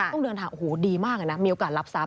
ต้องเดินทางโอ้โหดีมากเลยนะมีโอกาสรับทรัพ